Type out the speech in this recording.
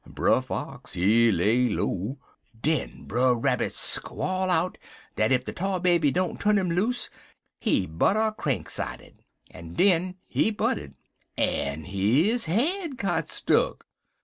Brer Fox, he lay low. Den Brer Rabbit squall out dat ef de Tar Baby don't tu'n 'im loose he butt 'er cranksided. En den he butted, en his head got stuck.